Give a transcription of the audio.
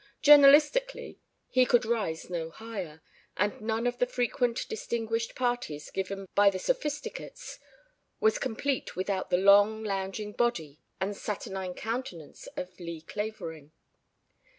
Journalistically he could rise no higher, and none of the frequent distinguished parties given by the Sophisticates was complete without the long lounging body and saturnine countenance of Mr. Lee Clavering.